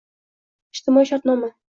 Ijtimoiy shartnoma